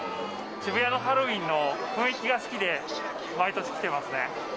渋谷のハロウィーンの雰囲気が好きで、毎年来てますね。